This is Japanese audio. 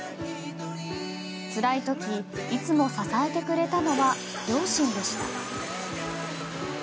つらい時いつも支えてくれたのは両親でした。